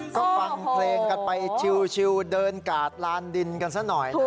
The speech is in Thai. ก็ฟังเพลงกันไปชิวเดินกาดลานดินกันซะหน่อย